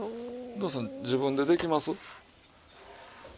堂さん自分でできます？